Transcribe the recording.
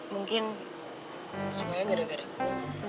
mungkin semuanya gara gara itu